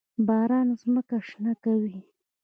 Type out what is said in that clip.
باران ځمکه شنه کوي.